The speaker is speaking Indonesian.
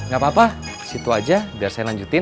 gapapa situ aja biar saya lanjutin